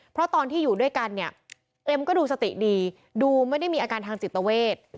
เพราะตอนที่อยู่ด้วยกันเนี่ยเอ็มก็ดูสติดีดูไม่ได้มีอาการทางจิตเวท